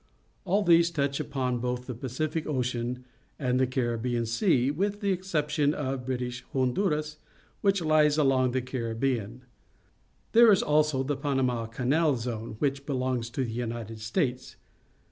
Ah these touch upon both the Pacific Ocean and the Caribbean Sea, with the exception of British Honduras, which hes along the Caribbean. There is, also, the Panama Canal Zone, which belongs to the United States.